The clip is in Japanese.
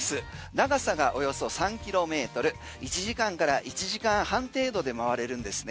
長さがおよそ３ｋｍ１時間から１時間半程度で回れるんですね。